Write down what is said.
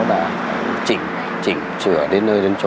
đã chỉnh chỉnh sửa đến nơi đến chốn